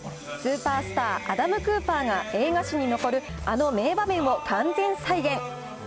スーパースター、アダム・クーパーが映画史に残るあの名場面を完全再現。